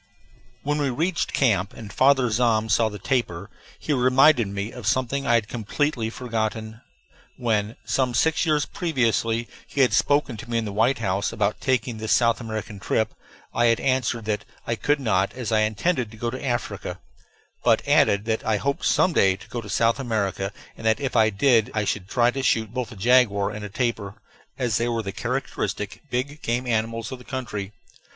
When we reached camp, and Father Zahm saw the tapir, he reminded me of something I had completely forgotten. When, some six years previously, he had spoken to me in the White House about taking this South American trip, I had answered that I could not, as I intended to go to Africa, but added that I hoped some day to go to South America and that if I did so I should try to shoot both a jaguar and a tapir, as they were the characteristic big game animals of the country.